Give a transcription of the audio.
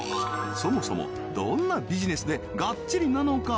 そもそもどんなビジネスでがっちりなのか？